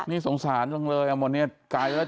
นี่สงสารตรงเลยอ่ะหมดเนี่ย